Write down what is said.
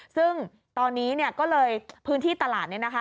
ซึ่งตอนนี้เนี่ยก็เลยพื้นที่ตลาดเนี่ยนะคะ